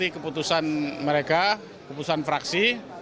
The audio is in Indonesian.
keputusan mereka keputusan fraksi